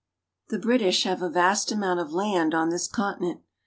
The British have a vast amount of land on this conti nent.